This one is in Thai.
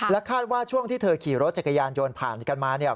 คาดว่าช่วงที่เธอขี่รถจักรยานยนต์ผ่านกันมาเนี่ย